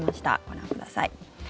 ご覧ください。